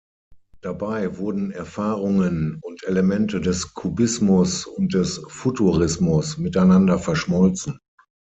Dabei wurden Erfahrungen und Elemente des Kubismus und des Futurismus miteinander verschmolzen.